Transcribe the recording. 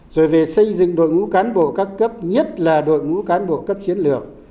rồi về xây dựng đội ngũ cán bộ các cấp nhất là đội ngũ cán bộ cấp chiến lược